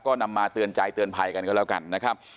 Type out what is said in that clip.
ก็นำมาเตือนใจเตือนภัยกันก็แล้วกันนะครับ